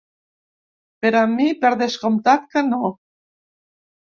Per a mi per descomptat que no.